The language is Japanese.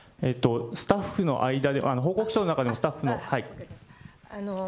スタッフの間で、報告書の中で、スタッフの。